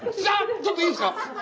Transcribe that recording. ちょっといいですか？